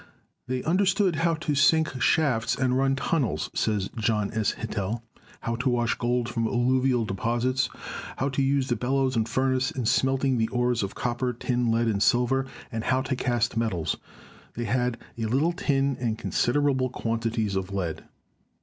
"They understood how to sink shafts and run tunnels," 280 GEOLOGY says John S. Hittell, "how to wash gold from alluvial de posits, how to use the bellows and furnace in smelting the ores of copper, tin, lead and "silver, and how to cast metals. They had a little tin and considerable quantities of lead."